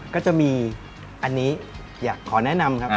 ก็จะมีอันนี้อยากขอแนะนำครับ